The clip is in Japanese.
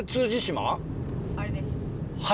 あれです。